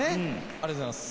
ありがとうございます。